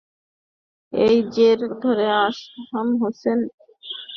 এরই জের ধরে আলম হোসেনের শাবলের আঘাতে দেলোয়ার হোসেন গুরুতর জখম হন।